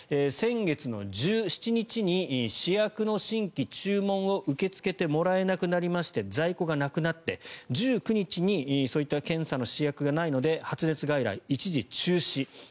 先月１７日に、試薬の新規注文を受け付けてもらえなくなりまして在庫がなくなって１９日にそういった検査の試薬がないので発熱外来、一時中止。